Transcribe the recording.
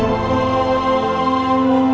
nanti aku akan pergi